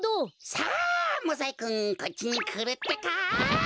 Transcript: さあモザイクンこっちにくるってか！